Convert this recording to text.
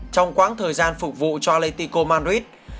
trong quãng thời gian phục vụ cho atletico madrid